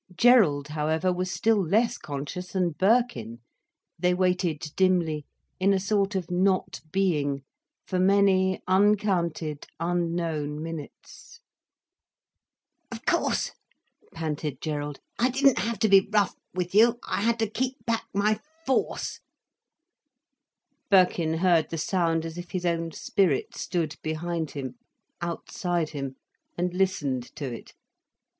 Gerald however was still less conscious than Birkin. They waited dimly, in a sort of not being, for many uncounted, unknown minutes. "Of course—" panted Gerald, "I didn't have to be rough—with you—I had to keep back—my force—" Birkin heard the sound as if his own spirit stood behind him, outside him, and listened to it.